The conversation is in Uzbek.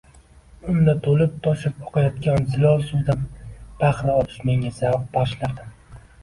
Unda to‘libtoshib oqayotgan zilol suvdan bahra olish menga zavq bag‘ishlardi